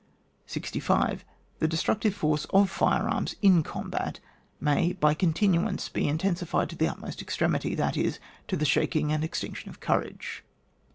65. The destructive force of fire arms in combat may by continuance be intensified to the utmost extremity, that is, to the shaking and extinction of courage.